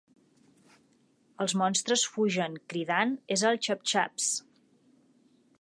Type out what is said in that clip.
Els monstres fugen, cridant, "és el ChubbChubbs!"